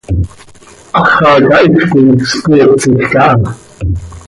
Háxaca hizcoi spootsij caha.